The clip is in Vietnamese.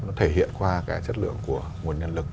nó thể hiện qua cái chất lượng của nguồn nhân lực